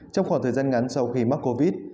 trong khoảng thời gian ngắn sau khi mắc covid